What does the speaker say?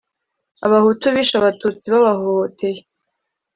Abahutu bishe Abatutsi babahohoteye